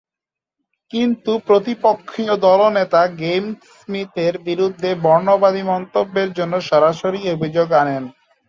কিন্তু প্রতিপক্ষীয় দলনেতা গ্রেইম স্মিথের বিরুদ্ধে বর্ণবাদী মন্তব্যের জন্য সরাসরি অভিযোগ আনেন।